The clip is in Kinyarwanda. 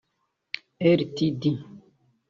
Rtd